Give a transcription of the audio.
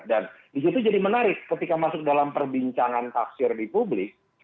dan itu tuh jadi menarik ketika masuk dalam perbincangan taksir di publik